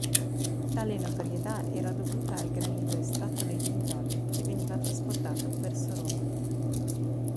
Tale notorietà era dovuta al granito estratto nei dintorni che veniva trasportato verso Roma.